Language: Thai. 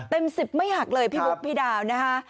เต็ม๑๐ไม่หักเลยพี่บุ๊คพี่ดาวนะคะ